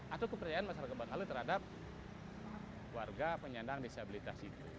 atau kepercayaan masyarakat bangkali terhadap warga penyandang disabilitas itu